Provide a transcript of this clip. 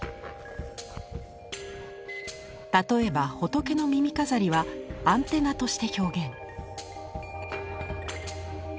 例えば仏の耳飾りはアンテナとして表現。